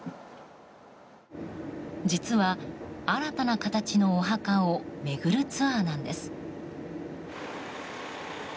実は、新たな形のお墓を巡るツアーなんです。